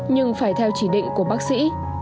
nhưng phải theo chỉ định của bác sĩ